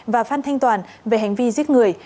và phan thanh toàn về hành vi giết người